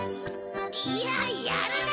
いややるな！